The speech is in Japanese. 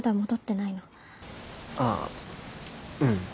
ああうん。